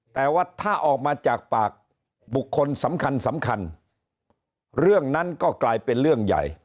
แต่ว่าถ้าออกมาจากปากบุคคลสำคัญสำคัญเรื่องนั้นก็กลายเป็นเรื่องใหญ่